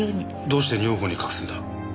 どうして女房に隠すんだ？